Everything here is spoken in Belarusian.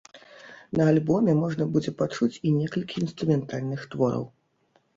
На альбоме можна будзе пачуць і некалькі інструментальных твораў.